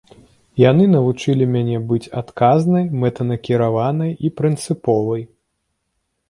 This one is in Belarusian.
Яны навучылі мяне быць адказнай, мэтанакіраванай і прынцыповай.